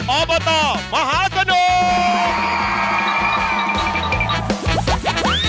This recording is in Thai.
ออเบอร์ตอร์มหาสนุก